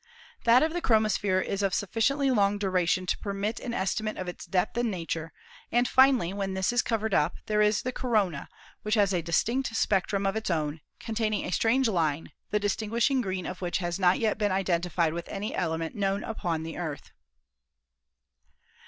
That of the chromo sphere is of sufficiently long duration to permit an esti mate of its depth and nature, and finally, when this is cov ered up, there is the corona, which has a distinct spectrum of its own, containing a strange line, the distinguishing green of which has not yet been identified with any element known upon the Earth.